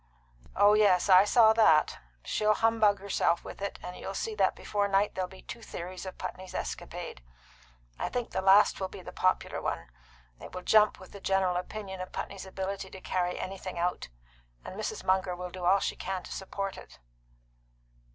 "Oh yes, I saw that. She'll humbug herself with it, and you'll see that before night there'll be two theories of Putney's escapade. I think the last will be the popular one. It will jump with the general opinion of Putney's ability to carry anything out. And Mrs. Munger will do all she can to support it."